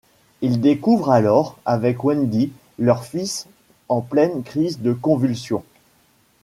Il découvre alors, avec Wendy, leur fils en pleine crise de convulsion.